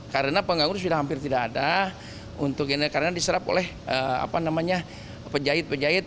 karena pengangguran sudah hampir tidak ada karena diserap oleh penjahit penjahit